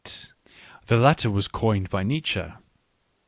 The latter was coined by Nietzsche.